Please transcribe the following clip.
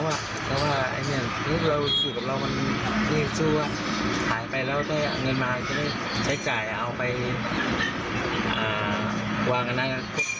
แล้วว่านี่สิ่งที่เราสื่อว่าขายไปแล้วได้เงินมาก็ได้ใช้จ่ายเอาไปวางอันนั้น